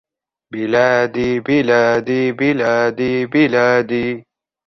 بِلَادِي بِلَادِي بِلَادِي بِلَادِي